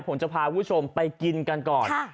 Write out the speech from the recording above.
ผมจะพาคุณผู้ชมไปกินกันก่อน